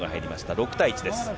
６対１です。